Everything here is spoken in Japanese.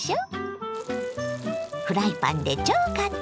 フライパンで超簡単！